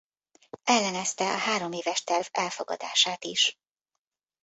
Ellenezte a hároméves terv elfogadását is.